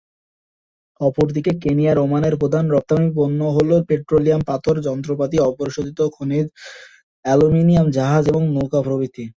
অপরদিকে কেনিয়ায়, ওমানের প্রধান রপ্তানি পণ্য হল, পেট্রোলিয়াম, পাথর, যন্ত্রপাতি, অপরিশোধিত খনিজ, অ্যালুমিনিয়াম, জাহাজ এবং নৌকা প্রভৃতি।